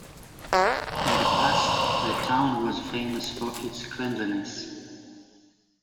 In the past the town was famous for its cleanliness.